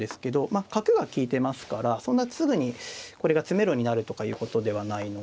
あ角が利いてますからそんなすぐにこれが詰めろになるとかいうことではないので。